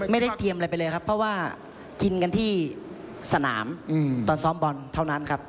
ไม่ได้เตรียมอะไรไปเลยครับเพราะว่ากินกันที่สนามตอนซ้อมบอลเท่านั้นครับ